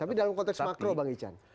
tapi dalam konteks makro bang ican